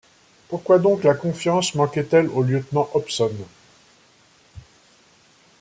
Pourquoi donc la confiance manquait-elle au lieutenant Hobson ?